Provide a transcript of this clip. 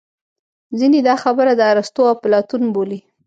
ځینې دا خبره د ارستو او اپلاتون بولي